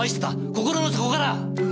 心の底から！